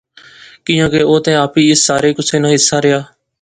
کیاں کہ او تہ اپی اس سارے کُسے ناں حصہ رہیا